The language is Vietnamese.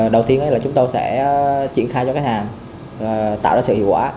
đầu tiên là chúng tôi sẽ triển khai cho khách hàng tạo ra sự hiệu quả